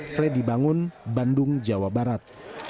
freddy bangun bandung jawa barat